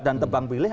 dan tebang pilih